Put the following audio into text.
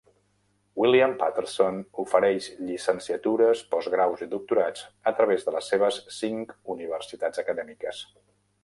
William Paterson ofereix llicenciatures, postgraus i doctorats a través de les seves cinc universitats acadèmiques.